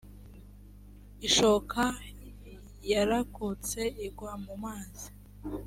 ishoka yarakutse igwa mu mazi